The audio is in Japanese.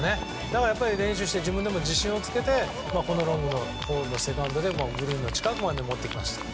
だから練習して自分で自信をつけてこのホールでグリーンの近くまで持ってきました。